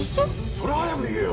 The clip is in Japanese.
それを早く言えよ！